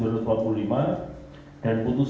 yang ketiga melakukan amal konstitusi